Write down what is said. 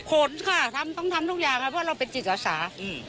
ขนค่ะทำต้องทำทุกอย่างค่ะเพราะเราเป็นจิตอาสา